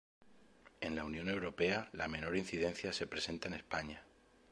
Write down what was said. En la Unión Europea la menor incidencia se presenta en España.